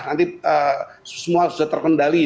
nanti semua sudah terkendali